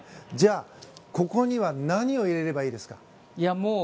じゃあ、ここには何を入れればいいですか？